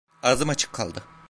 Ağzım açık kaldı.